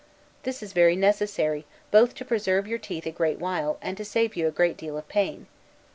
This is very necessary, both to preserve your teeth a great while, and to save you a great deal of pain.